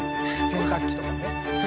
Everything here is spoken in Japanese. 洗濯機とかね。